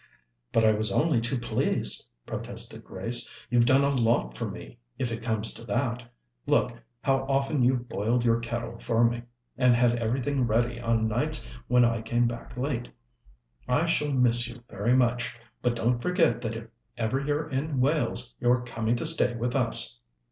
"But I was only too pleased," protested Grace. "You've done a lot for me, if it comes to that. Look how often you've boiled your kettle for me, and had everything ready on nights when I came back late. I shall miss you very much, but don't forget that if ever you're in Wales you're coming to stay with us."